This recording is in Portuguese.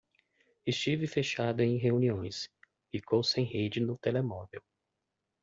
Esteve fechado em reuniões, ficou sem rede no telemóvel.